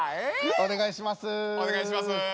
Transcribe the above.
お願いします。